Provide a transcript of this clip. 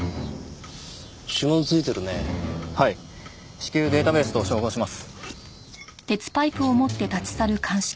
至急データベースと照合します。